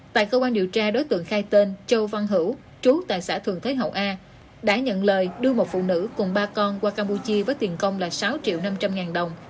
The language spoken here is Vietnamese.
tại cơ quan điều tra đối tượng khai tên châu văn hữu trú tại xã thường thế hậu a đã nhận lời đưa một phụ nữ cùng ba con qua campuchia với tiền công là sáu triệu năm trăm linh ngàn đồng